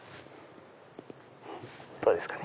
どうですかね。